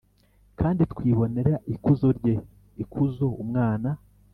kandi twibonera ikuzo rye, ikuzo umwana